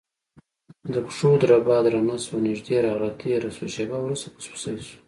د پښو دربا درنه شوه نږدې راغله تیره شوه شېبه وروسته پسپسی شو،